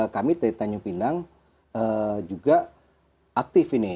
kami dari tanjung pinang juga aktif ini